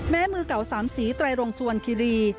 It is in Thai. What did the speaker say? มือเก่าสามสีไตรรงสวรรคิรี